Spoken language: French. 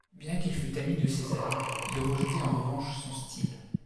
Bien qu'il fût ami de Cézanne, il rejetait en revanche son style.